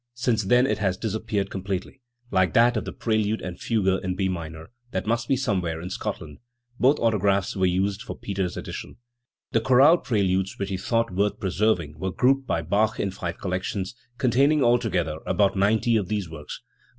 Since then it has disappeared completely, like that of the prelude and fugue in B minor, that must be somewhere in Scotland. Both autographs were used for the Peters edition. The chorale preludes which he thought worth preserving were grouped by Bach in five collections, containing al together about ninety of these works.